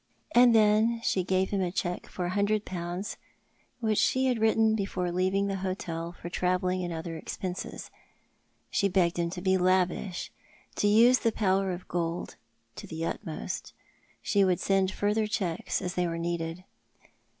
And then she gave him a cheque for a hundred pounds, which she had written before leaving the hotel, for travelling and other expenses. She begged him to be lavish — to use the power of gold to the utmost. She would send further cheques as they were needed. Death in Life.